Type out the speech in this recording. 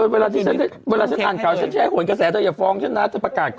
เวลาฉันอ่านข่าวฉันใช้หวนกระแสเธออย่าฟ้องฉันนะ